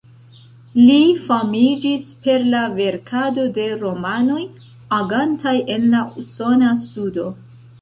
Li famiĝis per la verkado de romanoj agantaj en la usona sudo.